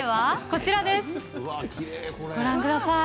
ご覧ください